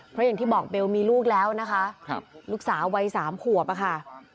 เพราะอย่างที่บอกเบลมีลูกแล้วนะคะลูกสาววัย๓ขวบอะค่ะ